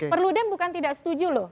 perludem bukan tidak setuju loh